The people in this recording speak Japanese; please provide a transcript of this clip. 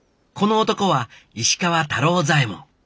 この男は石川太郎左衛門。